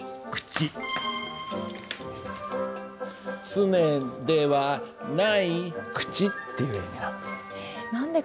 「常ではない口」っていう意味なんです。